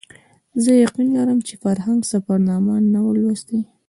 زه یقین لرم چې فرهنګ سفرنامه نه وه لوستې.